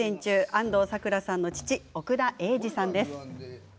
安藤サクラさんの父奥田瑛二さんです。